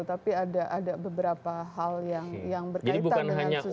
tapi ada beberapa hal yang berkaitan dengan sosialisasi